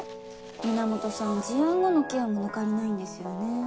源さん事案後のケアも抜かりないんですよね。